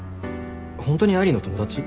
ホントに愛梨の友達？